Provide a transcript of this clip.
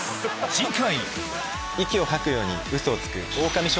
次回！